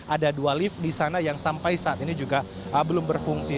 ada dua lift di sana yang sampai saat ini juga belum berfungsi